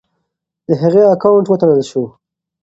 د هغې اکاونټ وتړل شو.